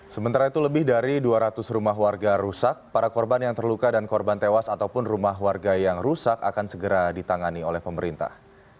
sementara itu lebih dari dua ratus rumah warga rusak para korban yang terluka dan korban tewas ataupun rumah warga yang rusak akan segera ditangani oleh pemerintah